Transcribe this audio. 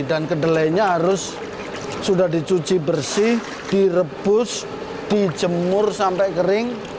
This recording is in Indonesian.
dan kedelainya harus sudah dicuci bersih direbus dijemur sampai kering